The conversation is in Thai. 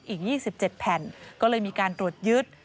อีกยี่สิบเจ็ดแผ่นก็เลยมีการตรวจยึด